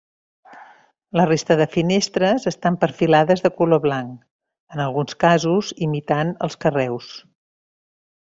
La resta de finestres estan perfilades de color blanc, en alguns casos imitant els carreus.